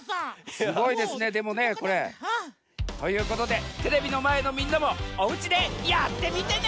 すごいですねでもねこれ。ということでテレビのまえのみんなもおうちでやってみてね！